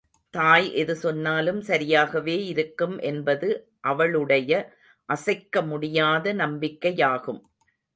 தாய் எது சொன்னாலும், சரியாகவே இருக்கும் என்பது அவளுடைய அசைக்க முடியாத நம்பிக்கையாகும்.